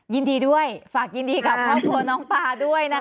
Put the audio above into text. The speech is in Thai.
ยินดีด้วยฝากยินดีกับครอบครัวน้องปาด้วยนะคะ